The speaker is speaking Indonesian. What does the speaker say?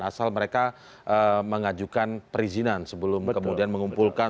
asal mereka mengajukan perizinan sebelum kemudian mengumpulkan